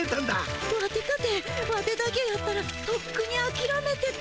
ワテかてワテだけやったらとっくにあきらめてた。